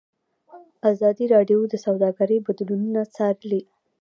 ازادي راډیو د سوداګري بدلونونه څارلي.